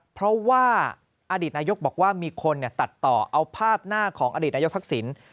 เพราะว่าอดีตนายกบอกว่ามีคนตัดต่อเอาภาพหน้าของอดีตนายกทักษิณ